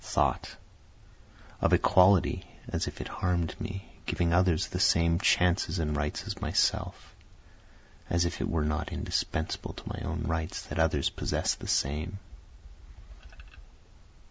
Thought Of Equality as if it harm'd me, giving others the same chances and rights as myself as if it were not indispensable to my own rights that others possess the same.